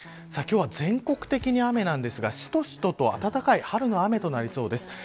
今日は、全国的に雨なんですがしとしとと暖かい春の雨となりそうです。